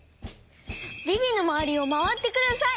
ビビのまわりをまわってください！